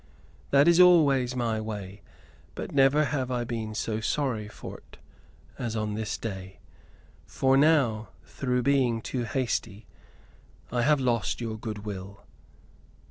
That is always my way: but never have I been so sorry for't as on this day, for now, through being too hasty, I have lost your good will."